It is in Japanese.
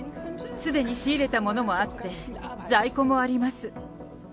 すでに仕入れたものもあって、在庫もあります。